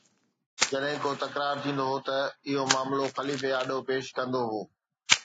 جڏهن ڪو تڪرار ٿيندو هو ته اهو معاملو خليفي آڏو پيش ڪندو هو